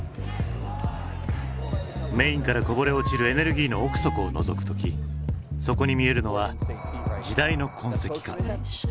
メインからこぼれ落ちるエネルギーの奥底をのぞく時そこに見えるのは時代の痕跡か？